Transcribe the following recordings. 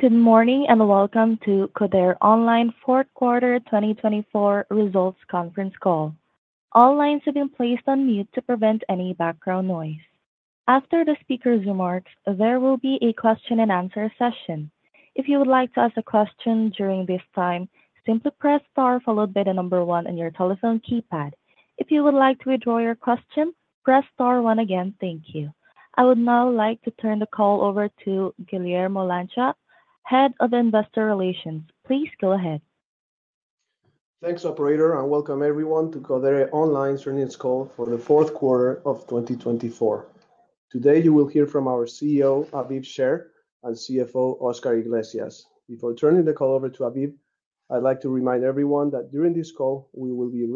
Good morning and welcome to Codere Online Fourth Quarter 2024 Results Conference Call. All lines have been placed on mute to prevent any background noise. After the speaker's remarks, there will be a question-and-answer session. If you would like to ask a question during this time, simply press star followed by the number one on your telephone keypad. If you would like to withdraw your question, press star one again. Thank you. I would now like to turn the call over to Guillermo Lancha, Head of Investor Relations. Please go ahead. Thanks, Operator. I welcome everyone to Codere Online's Earnings Call for the Fourth Quarter of 2024. Today, you will hear from our CEO, Aviv Sher, and CFO, Oscar Iglesias. Before turning the call over to Aviv, I'd like to remind everyone that during this call, we will be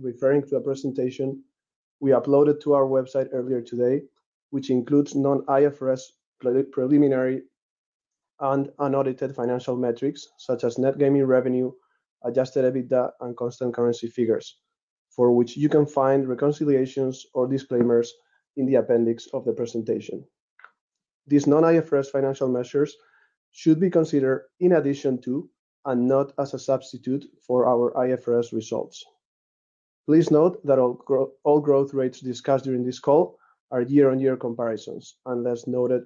referring to a presentation we uploaded to our website earlier today, which includes non-IFRS preliminary and unaudited financial metrics such as Net Gaming Revenue, adjusted EBITDA, and constant currency figures, for which you can find reconciliations or disclaimers in the appendix of the presentation. These non-IFRS financial measures should be considered in addition to and not as a substitute for our IFRS results. Please note that all growth rates discussed during this call are year-on-year comparisons unless noted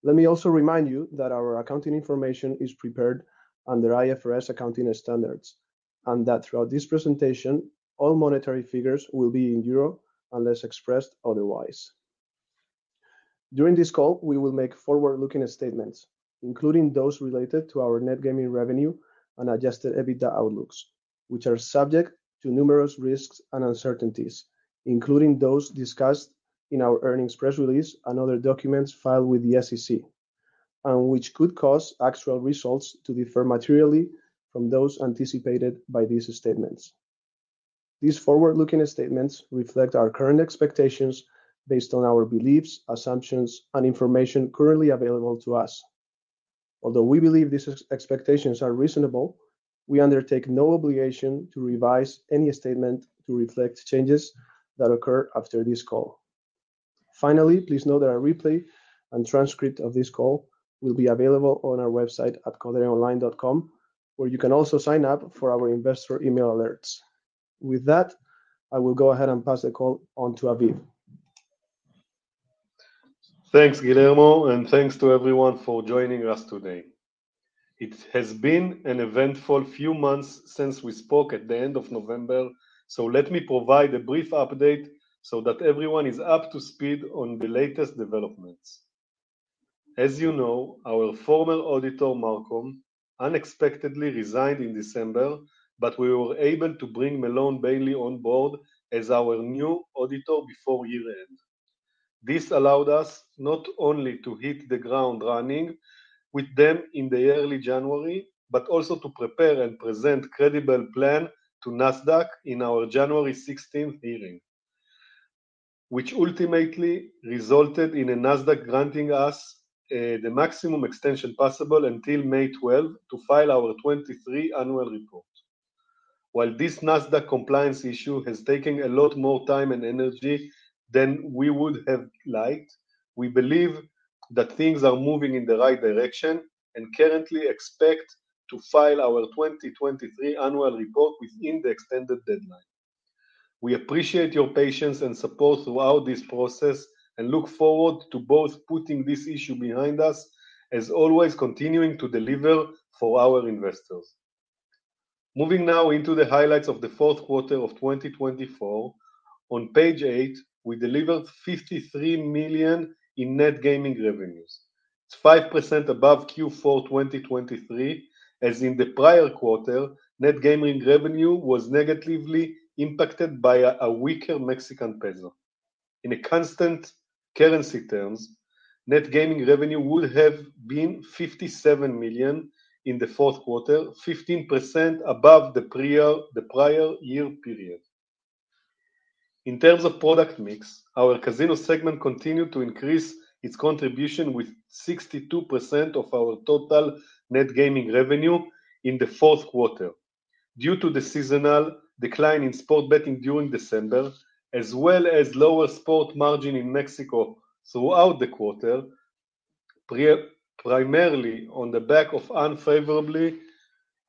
otherwise. Let me also remind you that our accounting information is prepared under IFRS accounting standards and that throughout this presentation, all monetary figures will be in euro unless expressed otherwise. During this call, we will make forward-looking statements, including those related to our Net Gaming Revenue and adjusted EBITDA outlooks, which are subject to numerous risks and uncertainties, including those discussed in our earnings press release and other documents filed with the SEC, and which could cause actual results to differ materially from those anticipated by these statements. These forward-looking statements reflect our current expectations based on our beliefs, assumptions, and information currently available to us. Although we believe these expectations are reasonable, we undertake no obligation to revise any statement to reflect changes that occur after this call. Finally, please note that a replay and transcript of this call will be available on our website at codereonline.com, where you can also sign up for our investor email alerts. With that, I will go ahead and pass the call on to Aviv. Thanks, Guillermo, and thanks to everyone for joining us today. It has been an eventful few months since we spoke at the end of November, so let me provide a brief update so that everyone is up to speed on the latest developments. As you know, our former auditor, Marcum, unexpectedly resigned in December, but we were able to bring MaloneBailey on board as our new auditor before year-end. This allowed us not only to hit the ground running with them in the early January, but also to prepare and present a credible plan to Nasdaq in our January 16th hearing, which ultimately resulted in Nasdaq granting us the maximum extension possible until May 12th to file our 2023 annual report. While this Nasdaq compliance issue has taken a lot more time and energy than we would have liked, we believe that things are moving in the right direction and currently expect to file our 2023 Annual Report within the extended deadline. We appreciate your patience and support throughout this process and look forward to both putting this issue behind us, as always continuing to deliver for our investors. Moving now into the highlights of the fourth quarter of 2024, on page eight, we delivered $53 million in Net Gaming Revenues. It's 5% above Q4 2023, as in the prior quarter, Net Gaming Revenue was negatively impacted by a weaker Mexican peso. In constant currency terms, Net Gaming Revenue would have been $57 million in the fourth quarter, 15% above the prior year period. In terms of product mix, our Casino segment continued to increase its contribution with 62% of our total Net Gaming Revenue in the fourth quarter. Due to the seasonal decline in sports betting during December, as well as lower sports margin in Mexico throughout the quarter, primarily on the back of unfavorable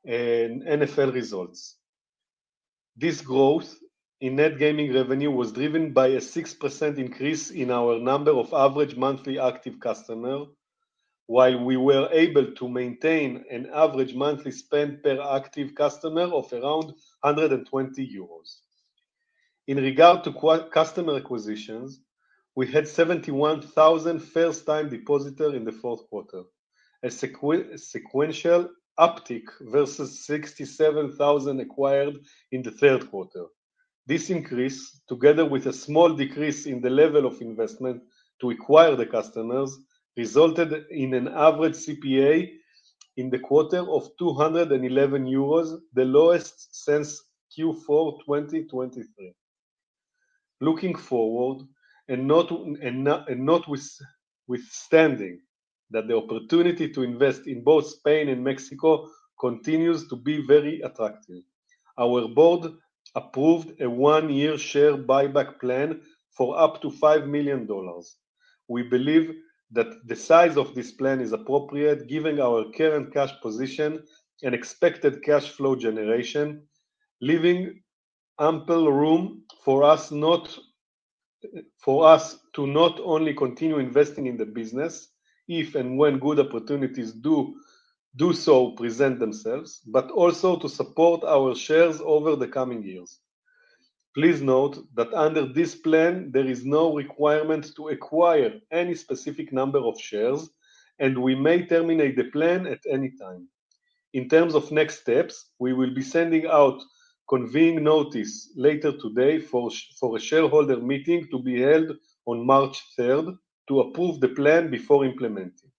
NFL results. This growth in Net Gaming Revenue was driven by a 6% increase in our number of average monthly active customers, while we were able to maintain an average monthly spend per active customer of around 120 euros. In regard to customer acquisitions, we had 71,000 first-time depositors in the fourth quarter, a sequential uptick versus 67,000 acquired in the third quarter. This increase, together with a small decrease in the level of investment to acquire the customers, resulted in an average CPA in the quarter of 211 euros, the lowest since Q4 2023. Looking forward and notwithstanding that the opportunity to invest in both Spain and Mexico continues to be very attractive, our board approved a one-year share buyback plan for up to $5 million. We believe that the size of this plan is appropriate, given our current cash position and expected cash flow generation, leaving ample room for us to not only continue investing in the business if and when good opportunities do so present themselves, but also to support our shares over the coming years. Please note that under this plan, there is no requirement to acquire any specific number of shares, and we may terminate the plan at any time. In terms of next steps, we will be sending out convening notice later today for a shareholder meeting to be held on March 3rd to approve the plan before implementing.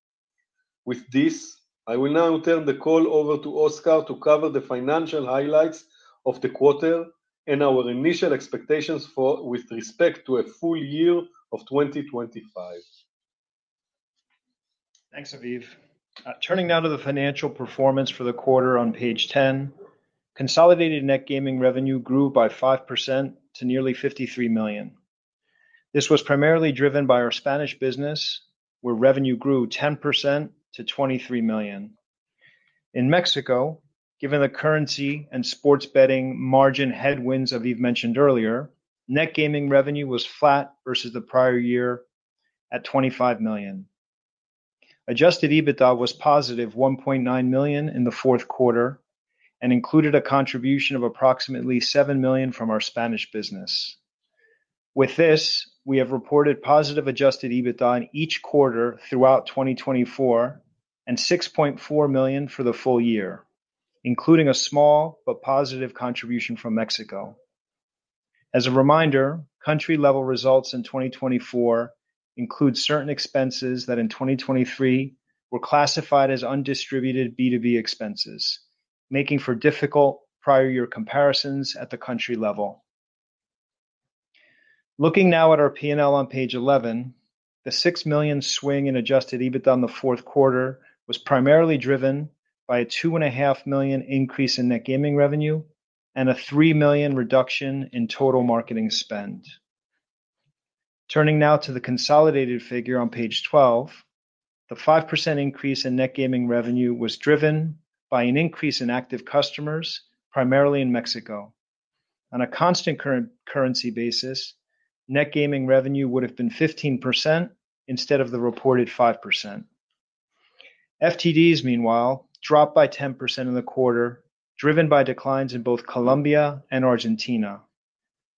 With this, I will now turn the call over to Oscar to cover the financial highlights of the quarter and our initial expectations with respect to a full year of 2025. Thanks, Aviv. Turning now to the financial performance for the quarter on page 10, consolidated Net Gaming Revenue grew by 5% to nearly $53 million. This was primarily driven by our Spanish business, where revenue grew 10% to $23 million. In Mexico, given the currency and sports betting margin headwinds Aviv mentioned earlier, Net Gaming Revenue was flat versus the prior year at $25 million. Adjusted EBITDA was positive $1.9 million in the fourth quarter and included a contribution of approximately $7 million from our Spanish business. With this, we have reported positive adjusted EBITDA in each quarter throughout 2024 and $6.4 million for the full year, including a small but positive contribution from Mexico. As a reminder, country-level results in 2024 include certain expenses that in 2023 were classified as undistributed B2B expenses, making for difficult prior-year comparisons at the country level. Looking now at our P&L on page 11, the $6 million swing in adjusted EBITDA in the fourth quarter was primarily driven by a $2.5 million increase in Net Gaming Revenue and a $3 million reduction in total marketing spend. Turning now to the consolidated figure on page 12, the 5% increase in Net Gaming Revenue was driven by an increase in active customers, primarily in Mexico. On a constant currency basis, Net Gaming Revenue would have been 15% instead of the reported 5%. FTDs, meanwhile, dropped by 10% in the quarter, driven by declines in both Colombia and Argentina,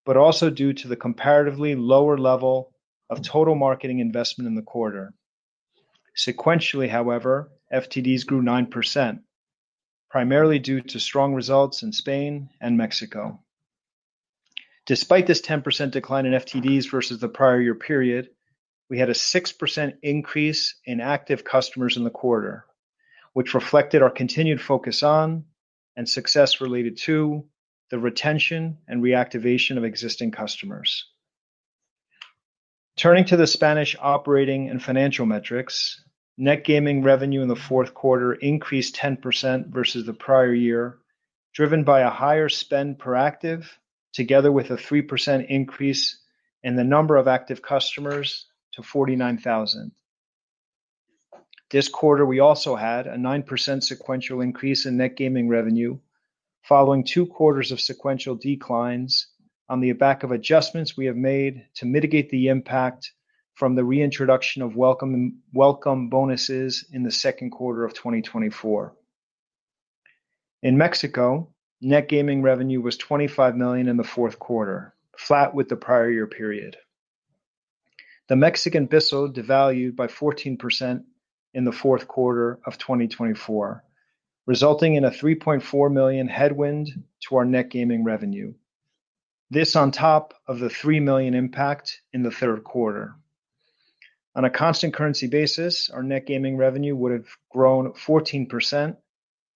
but also due to the comparatively lower level of total marketing investment in the quarter. Sequentially, however, FTDs grew 9%, primarily due to strong results in Spain and Mexico. Despite this 10% decline in FTDs versus the prior year period, we had a 6% increase in active customers in the quarter, which reflected our continued focus on and success related to the retention and reactivation of existing customers. Turning to the Spanish operating and financial metrics, Net Gaming Revenue in the fourth quarter increased 10% versus the prior year, driven by a higher spend per active, together with a 3% increase in the number of active customers to 49,000. This quarter, we also had a 9% sequential increase in Net Gaming Revenue, following two quarters of sequential declines on the back of adjustments we have made to mitigate the impact from the reintroduction of welcome bonuses in the second quarter of 2024. In Mexico, Net Gaming Revenue was $25 million in the fourth quarter, flat with the prior year period. The Mexican peso devalued by 14% in the fourth quarter of 2024, resulting in a $3.4 million headwind to our Net Gaming Revenue, this on top of the $3 million impact in the third quarter. On a constant currency basis, our Net Gaming Revenue would have grown 14%,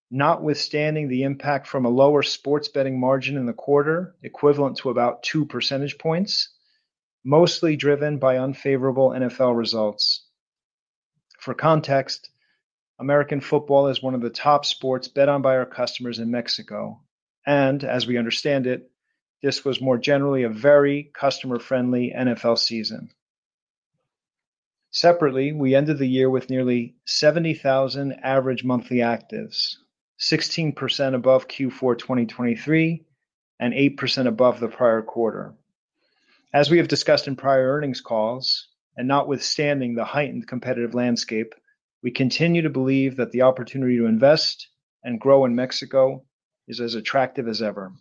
notwithstanding the impact from a lower sports betting margin in the quarter, equivalent to about 2 percentage points, mostly driven by unfavorable NFL results. For context, American football is one of the top sports bet on by our customers in Mexico, and as we understand it, this was more generally a very customer-friendly NFL season. Separately, we ended the year with nearly 70,000 average monthly actives, 16% above Q4 2023 and 8% above the prior quarter. As we have discussed in prior earnings calls, and notwithstanding the heightened competitive landscape, we continue to believe that the opportunity to invest and grow in Mexico is as attractive as ever.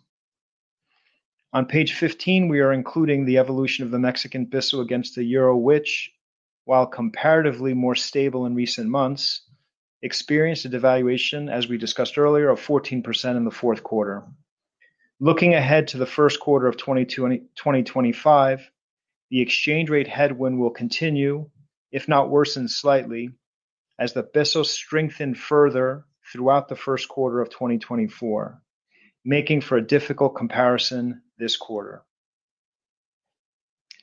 On page 15, we are including the evolution of the Mexican peso against the euro, which, while comparatively more stable in recent months, experienced a devaluation, as we discussed earlier, of 14% in the fourth quarter. Looking ahead to the first quarter of 2025, the exchange rate headwind will continue, if not worsen slightly, as the peso strengthened further throughout the first quarter of 2024, making for a difficult comparison this quarter.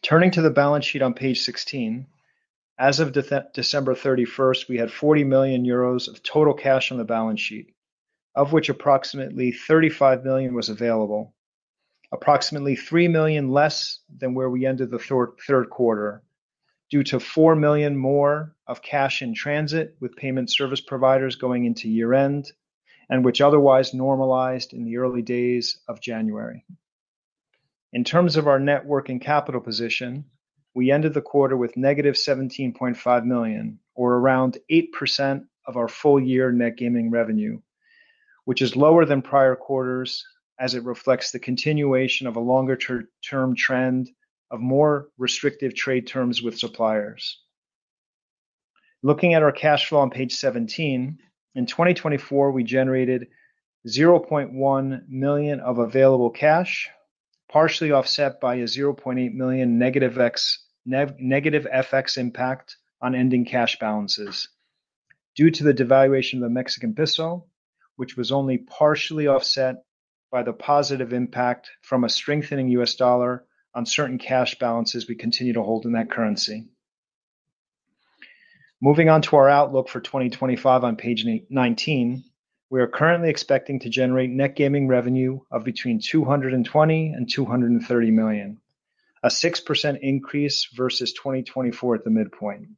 Turning to the balance sheet on page 16, as of December 31st, we had 40 million euros of total cash on the balance sheet, of which approximately 35 million was available, approximately 3 million less than where we ended the third quarter, due to 4 million more of cash in transit with payment service providers going into year-end, and which otherwise normalized in the early days of January. In terms of our network and capital position, we ended the quarter with negative 17.5 million, or around 8% of our full-year Net Gaming Revenue, which is lower than prior quarters, as it reflects the continuation of a longer-term trend of more restrictive trade terms with suppliers. Looking at our cash flow on page 17, in 2024, we generated 0.1 million of available cash, partially offset by a 0.8 million negative FX impact on ending cash balances. Due to the devaluation of the Mexican peso, which was only partially offset by the positive impact from a strengthening U.S. dollar on certain cash balances we continue to hold in that currency. Moving on to our outlook for 2025 on page 19, we are currently expecting to generate Net Gaming Revenue of between $220 million and $230 million, a 6% increase versus 2024 at the midpoint.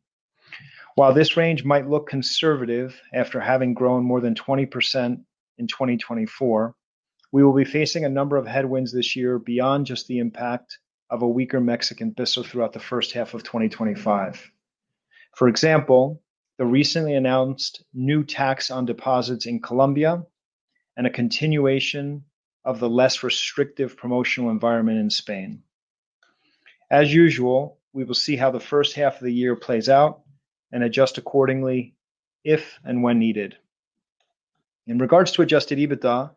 While this range might look conservative after having grown more than 20% in 2024, we will be facing a number of headwinds this year beyond just the impact of a weaker Mexican peso throughout the first half of 2025. For example, the recently announced new tax on deposits in Colombia and a continuation of the less restrictive promotional environment in Spain. As usual, we will see how the first half of the year plays out and adjust accordingly if and when needed. In regards to adjusted EBITDA,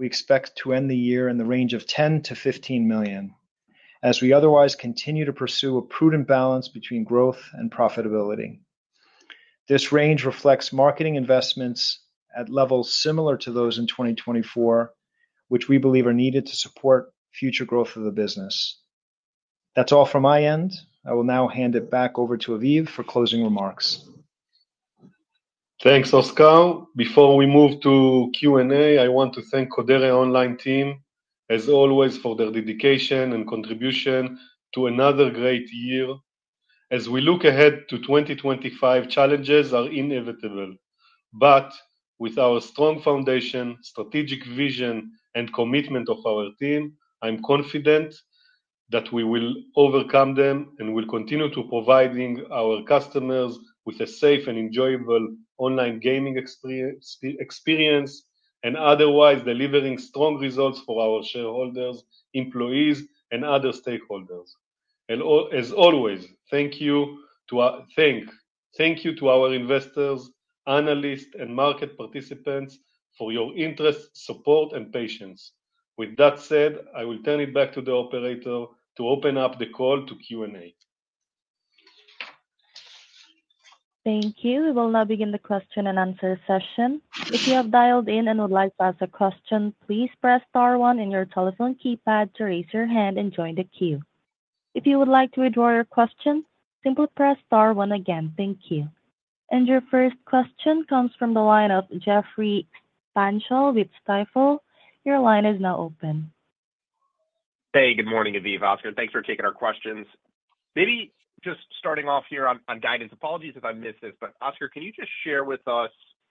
we expect to end the year in the range of $10-$15 million, as we otherwise continue to pursue a prudent balance between growth and profitability. This range reflects marketing investments at levels similar to those in 2024, which we believe are needed to support future growth of the business. That's all from my end. I will now hand it back over to Aviv for closing remarks. Thanks, Oscar. Before we move to Q&A, I want to thank Codere Online team, as always, for their dedication and contribution to another great year. As we look ahead to 2025, challenges are inevitable. But with our strong foundation, strategic vision, and commitment of our team, I'm confident that we will overcome them and will continue to provide our customers with a safe and enjoyable online gaming experience and otherwise delivering strong results for our shareholders, employees, and other stakeholders. As always, thank you to our investors, analysts, and market participants for your interest, support, and patience. With that said, I will turn it back to the operator to open up the call to Q&A. Thank you. We will now begin the question and answer session. If you have dialed in and would like to ask a question, please press star one in your telephone keypad to raise your hand and join the queue. If you would like to withdraw your question, simply press star one again. Thank you. And your first question comes from the line of Jeffrey Stantial with Stifel. Your line is now open. Hey, good morning, Aviv. Oscar, thanks for taking our questions. Maybe just starting off here on guidance, apologies if I missed this, but Oscar, can you just share with us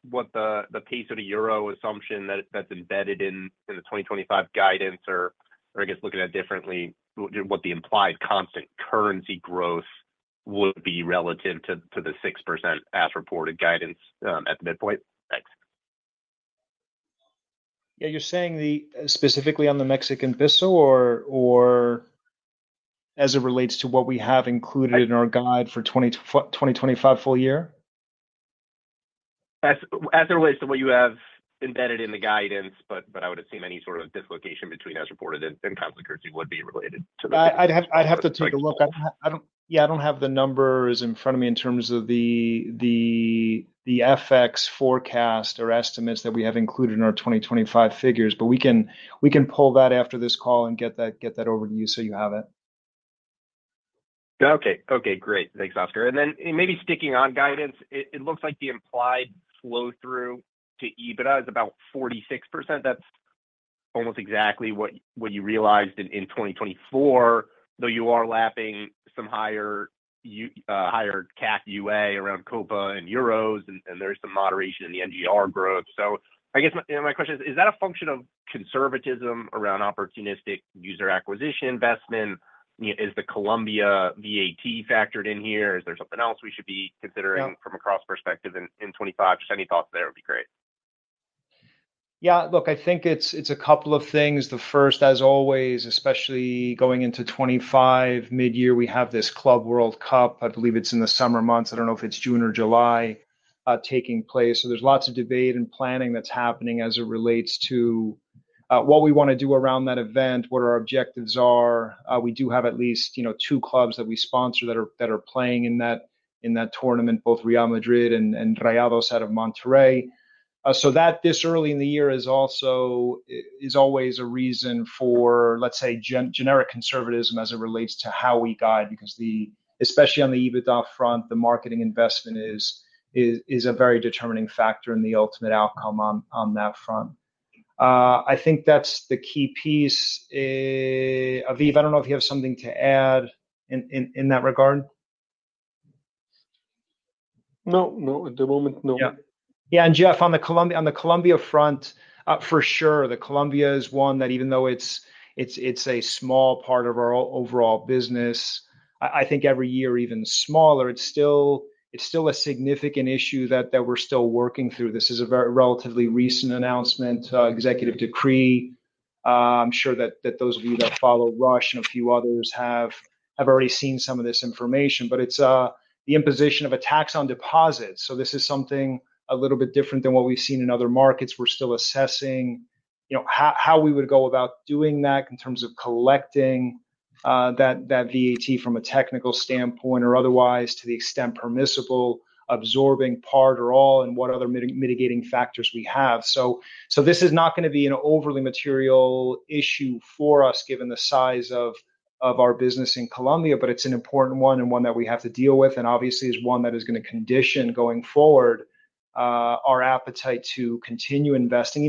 what the pace of the euro assumption that's embedded in the 2025 guidance, or I guess looking at it differently, what the implied constant currency growth would be relative to the 6% as reported guidance at the midpoint? Thanks. Yeah, you're saying specifically on the Mexican peso or as it relates to what we have included in our guide for 2025 full year? As it relates to what you have embedded in the guidance, but I would assume any sort of dislocation between as reported and constant currency would be related to the guidance. I'd have to take a look. Yeah, I don't have the numbers in front of me in terms of the FX forecast or estimates that we have included in our 2025 figures, but we can pull that after this call and get that over to you so you have it. Okay, okay, great. Thanks, Oscar. And then maybe sticking on guidance, it looks like the implied flow-through to EBITDA is about 46%. That's almost exactly what you realized in 2024, though you are lapping some higher CAC UA around Copa and Euros, and there's some moderation in the NGR growth. So I guess my question is, is that a function of conservatism around opportunistic user acquisition investment? Is the Colombia VAT factored in here? Is there something else we should be considering from a cost perspective in 2025? Just any thoughts there would be great. Yeah, look, I think it's a couple of things. The first, as always, especially going into 2025 mid-year, we have this Club World Cup. I believe it's in the summer months. I don't know if it's June or July taking place. So there's lots of debate and planning that's happening as it relates to what we want to do around that event, what our objectives are. We do have at least two clubs that we sponsor that are playing in that tournament, both Real Madrid and Rayados out of Monterrey. So that this early in the year is also always a reason for, let's say, generic conservatism as it relates to how we guide, because especially on the EBITDA front, the marketing investment is a very determining factor in the ultimate outcome on that front. I think that's the key piece. Aviv, I don't know if you have something to add in that regard. No, no, at the moment, no. Yeah, and Jeff, on the Colombia front, for sure, Colombia is one that even though it's a small part of our overall business, I think every year even smaller, it's still a significant issue that we're still working through. This is a relatively recent announcement, executive decree. I'm sure that those of you that follow Rush and a few others have already seen some of this information, but it's the imposition of a tax on deposits. So this is something a little bit different than what we've seen in other markets. We're still assessing how we would go about doing that in terms of collecting that VAT from a technical standpoint or otherwise to the extent permissible, absorbing part or all, and what other mitigating factors we have. So this is not going to be an overly material issue for us given the size of our business in Colombia, but it's an important one and one that we have to deal with, and obviously is one that is going to condition going forward our appetite to continue investing.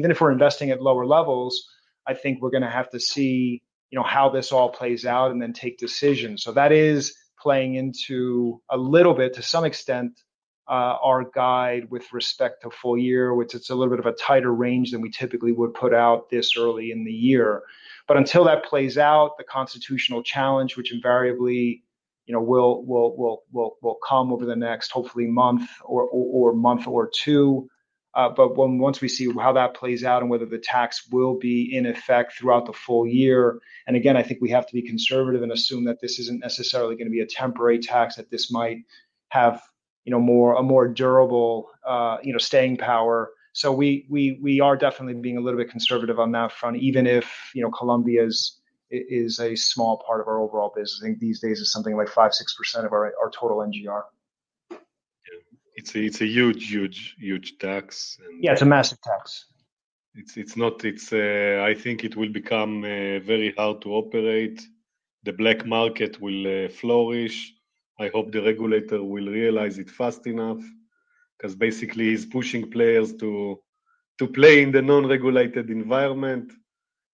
Even if we're investing at lower levels, I think we're going to have to see how this all plays out and then take decisions. So that is playing into a little bit, to some extent, our guide with respect to full year, which it's a little bit of a tighter range than we typically would put out this early in the year. But until that plays out, the constitutional challenge, which invariably will come over the next, hopefully, month or two, but once we see how that plays out and whether the tax will be in effect throughout the full year, and again, I think we have to be conservative and assume that this isn't necessarily going to be a temporary tax, that this might have a more durable staying power, so we are definitely being a little bit conservative on that front, even if Colombia is a small part of our overall business. I think these days it's something like 5%, 6% of our total NGR. It's a huge, huge, huge tax. Yeah, it's a massive tax. It's not, I think it will become very hard to operate. The black market will flourish. I hope the regulator will realize it fast enough because basically he's pushing players to play in the non-regulated environment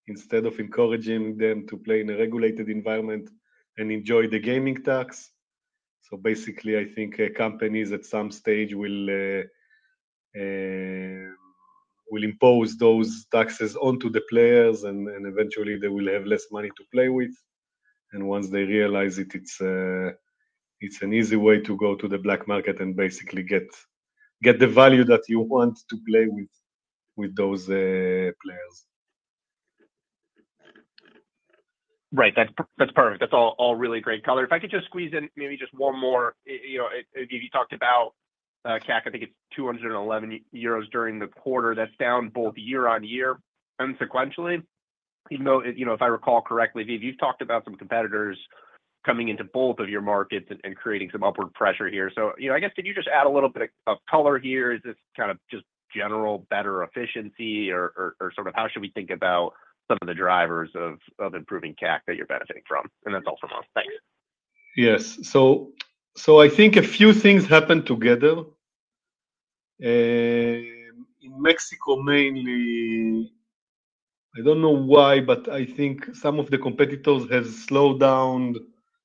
instead of encouraging them to play in a regulated environment and enjoy the gaming tax. So basically, I think companies at some stage will impose those taxes onto the players and eventually they will have less money to play with. And once they realize it, it's an easy way to go to the black market and basically get the value that you want to play with those players. Right, that's perfect. That's all really great color. If I could just squeeze in maybe just one more. You talked about CAC, I think it's 211 euros during the quarter. That's down both year-on-year and sequentially. Even though if I recall correctly, Aviv, you've talked about some competitors coming into both of your markets and creating some upward pressure here. So I guess could you just add a little bit of color here? Is this kind of just general better efficiency or sort of how should we think about some of the drivers of improving CAC that you're benefiting from? And that's all from us. Thanks. Yes. So I think a few things happened together. In Mexico, mainly, I don't know why, but I think some of the competitors have slowed down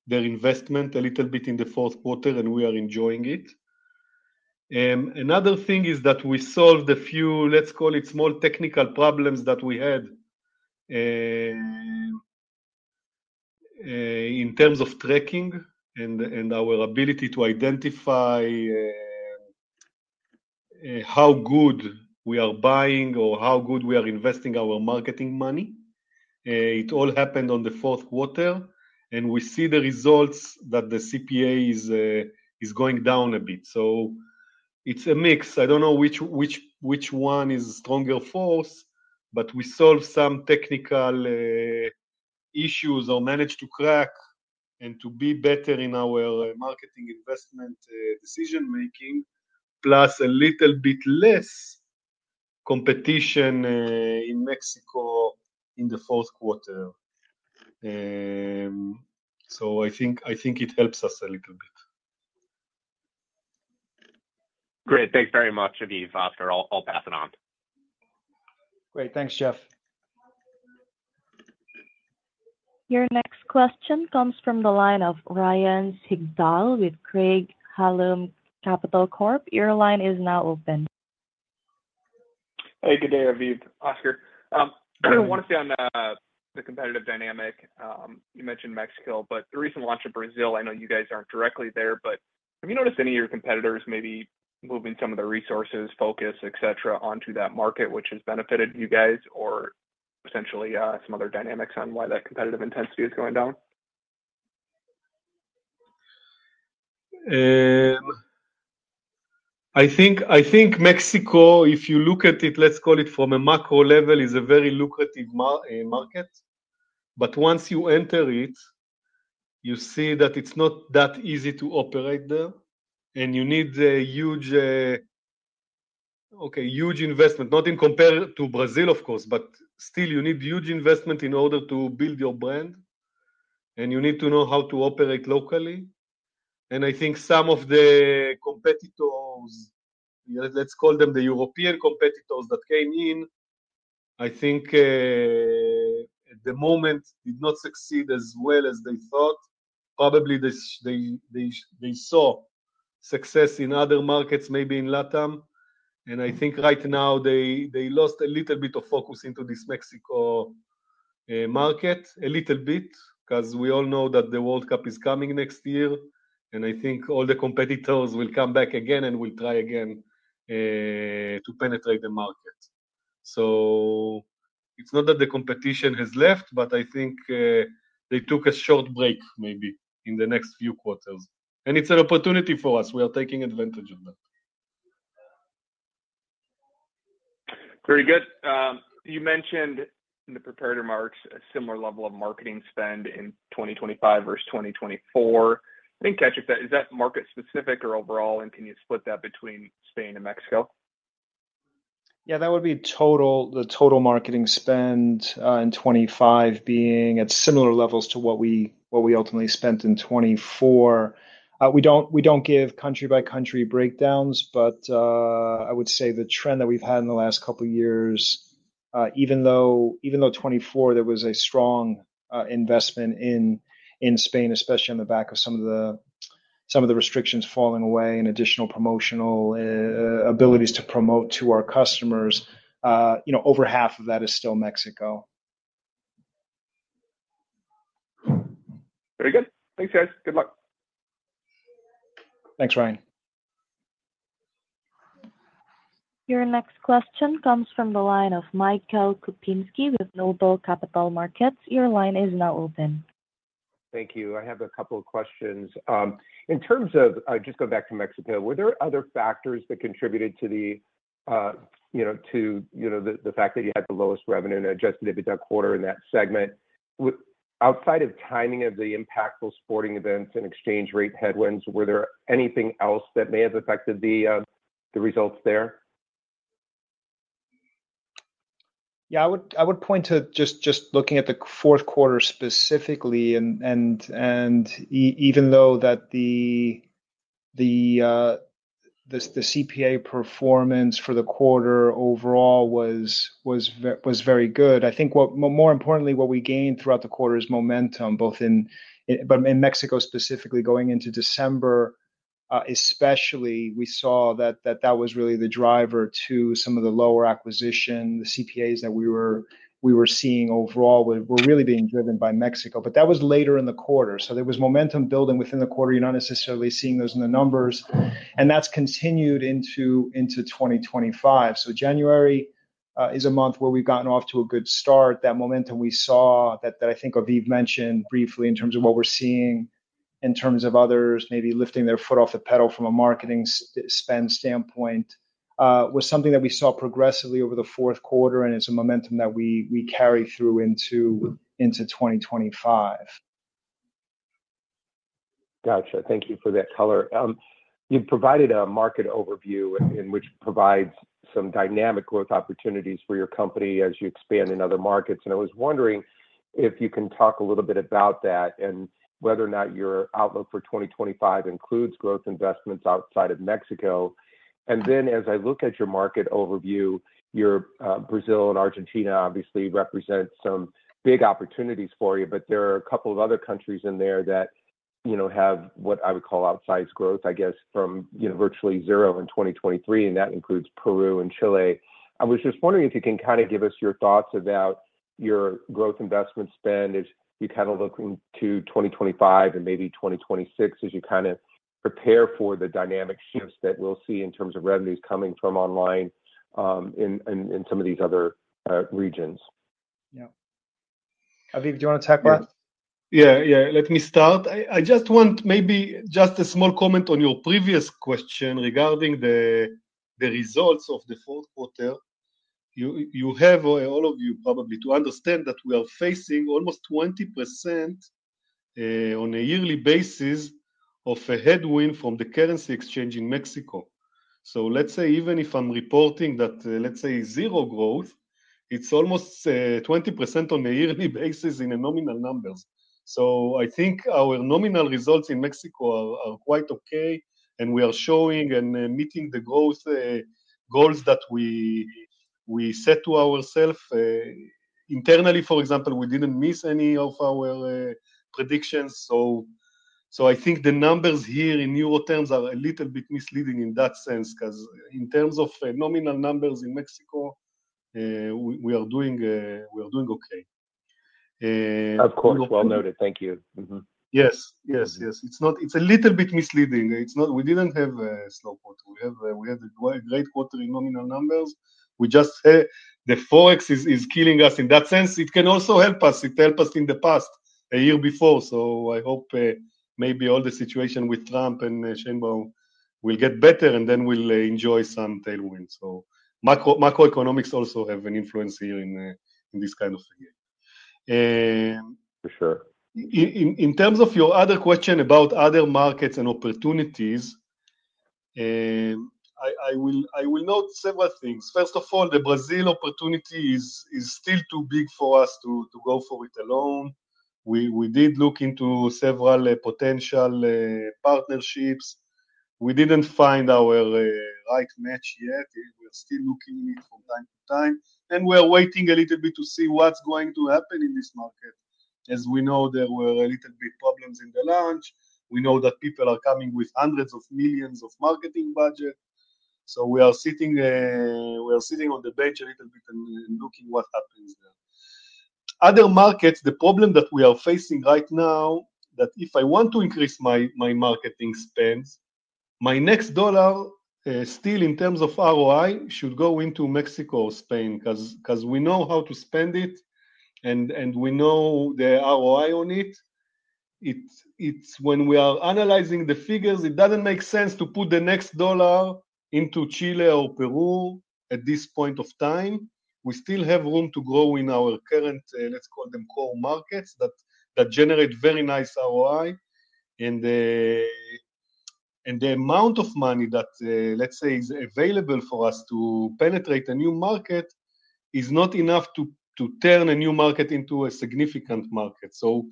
their investment a little bit in the fourth quarter, and we are enjoying it. Another thing is that we solved a few, let's call it small technical problems that we had in terms of tracking and our ability to identify how good we are buying or how good we are investing our marketing money. It all happened on the fourth quarter, and we see the results that the CPA is going down a bit. So it's a mix. I don't know which one is a stronger force, but we solved some technical issues or managed to crack and to be better in our marketing investment decision-making, plus a little bit less competition in Mexico in the fourth quarter. So I think it helps us a little bit. Great. Thanks very much, Aviv. Oscar, I'll pass it on. Great. Thanks, Jeff. Your next question comes from the line of Ryan Sigdahl with Craig-Hallum Capital Group. Your line is now open. Hey, good day, Aviv. Oscar, I want to stay on the competitive dynamic. You mentioned Mexico, but the recent launch of Brazil, I know you guys aren't directly there, but have you noticed any of your competitors maybe moving some of their resources, focus, etc., onto that market, which has benefited you guys or potentially some other dynamics on why that competitive intensity is going down? I think Mexico, if you look at it, let's call it from a macro level, is a very lucrative market. But once you enter it, you see that it's not that easy to operate there, and you need a huge investment, not in comparison to Brazil, of course, but still you need huge investment in order to build your brand, and you need to know how to operate locally. And I think some of the competitors, let's call them the European competitors that came in, I think at the moment did not succeed as well as they thought. Probably they saw success in other markets, maybe in LATAM. I think right now they lost a little bit of focus into this Mexico market, a little bit, because we all know that the World Cup is coming next year, and I think all the competitors will come back again and will try again to penetrate the market. So it's not that the competition has left, but I think they took a short break maybe in the next few quarters. And it's an opportunity for us. We are taking advantage of that. Very good. You mentioned in the prepared remarks a similar level of marketing spend in 2025 versus 2024. I think, the catch is that market-specific or overall, and can you split that between Spain and Mexico? Yeah, that would be the total marketing spend in 2025 being at similar levels to what we ultimately spent in 2024. We don't give country-by-country breakdowns, but I would say the trend that we've had in the last couple of years, even though 2024 there was a strong investment in Spain, especially on the back of some of the restrictions falling away and additional promotional abilities to promote to our customers, over half of that is still Mexico. Very good. Thanks, guys. Good luck. Thanks, Ryan. Your next question comes from the line of Michael Kupinski with Noble Capital Markets. Your line is now open. Thank you. I have a couple of questions. In terms of just going back to Mexico, were there other factors that contributed to the fact that you had the lowest revenue in adjusted EBITDA quarter in that segment? Outside of timing of the impactful sporting events and exchange rate headwinds, were there anything else that may have affected the results there? Yeah, I would point to just looking at the fourth quarter specifically, and even though the CPA performance for the quarter overall was very good, I think more importantly, what we gained throughout the quarter is momentum, but in Mexico specifically going into December especially, we saw that that was really the driver to some of the lower acquisition. The CPAs that we were seeing overall were really being driven by Mexico, but that was later in the quarter. So there was momentum building within the quarter. You're not necessarily seeing those in the numbers, and that's continued into 2025. So January is a month where we've gotten off to a good start. That momentum we saw that I think Aviv mentioned briefly in terms of what we're seeing in terms of others maybe lifting their foot off the pedal from a marketing spend standpoint was something that we saw progressively over the fourth quarter, and it's a momentum that we carry through into 2025. Gotcha. Thank you for that color. You've provided a market overview that provides some dynamic growth opportunities for your company as you expand in other markets. I was wondering if you can talk a little bit about that and whether or not your outlook for 2025 includes growth investments outside of Mexico. Then as I look at your market overview, Brazil and Argentina obviously represent some big opportunities for you, but there are a couple of other countries in there that have what I would call outsized growth, I guess, from virtually zero in 2023, and that includes Peru and Chile. I was just wondering if you can kind of give us your thoughts about your growth investment spend as you kind of look into 2025 and maybe 2026 as you kind of prepare for the dynamic shifts that we'll see in terms of revenues coming from online in some of these other regions? Yeah. Aviv, do you want to tackle that? Yeah, yeah. Let me start. I just want maybe just a small comment on your previous question regarding the results of the fourth quarter. You have all of you probably to understand that we are facing almost 20% on a yearly basis of a headwind from the currency exchange in Mexico. So let's say even if I'm reporting that, let's say, zero growth, it's almost 20% on a yearly basis in nominal numbers. So I think our nominal results in Mexico are quite okay, and we are showing and meeting the growth goals that we set to ourselves. Internally, for example, we didn't miss any of our predictions. So I think the numbers here in euro terms are a little bit misleading in that sense because in terms of nominal numbers in Mexico, we are doing okay. Of course. Well noted. Thank you. Yes, yes, yes. It's a little bit misleading. We didn't have a slow quarter. We had a great quarter in nominal numbers. We just said the forex is killing us in that sense. It can also help us. It helped us in the past, a year before. So I hope maybe all the situation with Trump and Sheinbaum will get better, and then we'll enjoy some tailwinds. So macroeconomics also have an influence here in this kind of a game. For sure. In terms of your other question about other markets and opportunities, I will note several things. First of all, the Brazil opportunity is still too big for us to go for it alone. We did look into several potential partnerships. We didn't find our right match yet. We're still looking at it from time to time, and we're waiting a little bit to see what's going to happen in this market. As we know, there were a little bit of problems in the launch. We know that people are coming with hundreds of millions of marketing budgets, so we are sitting on the bench a little bit and looking at what happens there. Other markets, the problem that we are facing right now, that if I want to increase my marketing spends, my next dollar still in terms of ROI should go into Mexico or Spain because we know how to spend it and we know the ROI on it. When we are analyzing the figures, it doesn't make sense to put the next dollar into Chile or Peru at this point of time. We still have room to grow in our current, let's call them core markets that generate very nice ROI. And the amount of money that, let's say, is available for us to penetrate a new market is not enough to turn a new market into a significant market. So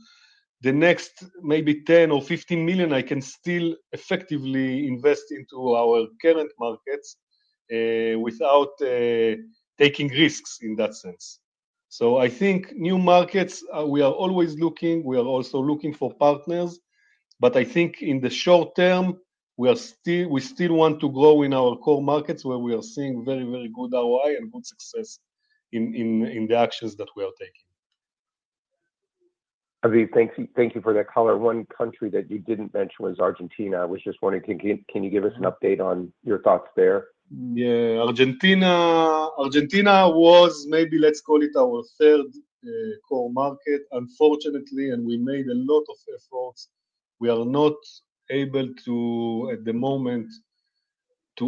the next maybe $10 or $15 million, I can still effectively invest into our current markets without taking risks in that sense. So I think new markets, we are always looking. We are also looking for partners. But I think in the short term, we still want to grow in our core markets where we are seeing very, very good ROI and good success in the actions that we are taking. Aviv, thank you for that color. One country that you didn't mention was Argentina. I was just wondering, can you give us an update on your thoughts there? Yeah. Argentina was maybe, let's call it our third core market, unfortunately, and we made a lot of efforts. We are not able to, at the moment,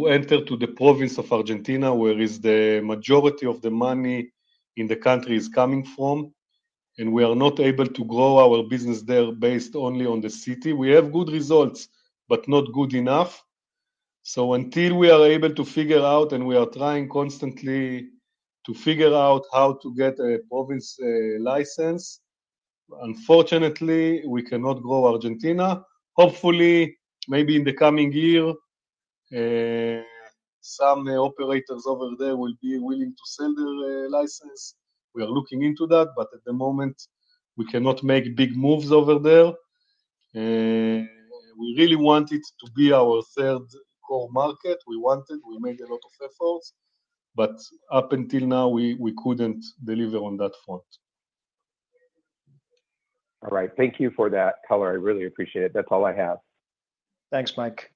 enter the province of Argentina where the majority of the money in the country is coming from, and we are not able to grow our business there based only on the city. We have good results, but not good enough, so until we are able to figure out, and we are trying constantly to figure out how to get a province license, unfortunately, we cannot grow Argentina. Hopefully, maybe in the coming year, some operators over there will be willing to sell their license. We are looking into that, but at the moment, we cannot make big moves over there. We really want it to be our third core market. We want it. We made a lot of efforts, but up until now, we couldn't deliver on that front. All right. Thank you for that color. I really appreciate it. That's all I have. Thanks, Mike.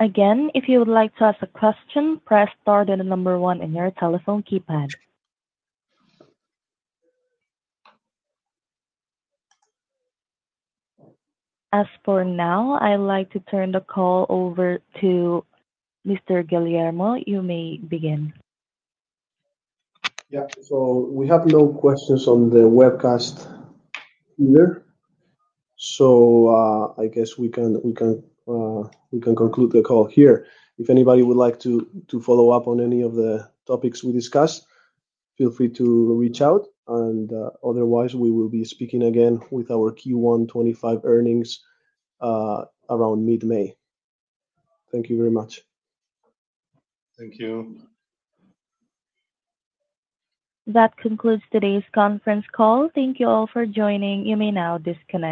Again, if you would like to ask a question, press star to the number one in your telephone keypad. As for now, I'd like to turn the call over to Mr. Guillermo. You may begin. Yeah. So we have no questions on the webcast either. So I guess we can conclude the call here. If anybody would like to follow up on any of the topics we discussed, feel free to reach out. And otherwise, we will be speaking again with our Q1 2025 earnings around mid-May. Thank you very much. Thank you. That concludes today's conference call. Thank you all for joining. You may now disconnect.